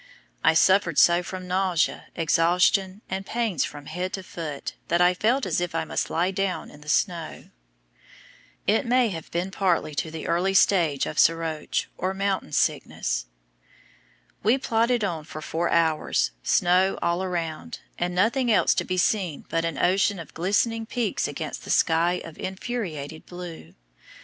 I suffered so from nausea, exhaustion, and pains from head to foot, that I felt as if I must lie down in the snow. It may have been partly the early stage of soroche, or mountain sickness. We plodded on for four hours, snow all round, and nothing else to be seen but an ocean of glistening peaks against that sky of infuriated blue.